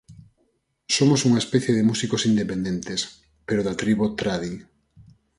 Somos unha especie de músicos independentes, pero da tribo "tradi".